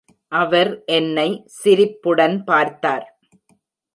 அவர் என்னை சிரிப்புடன் பார்த்தார்.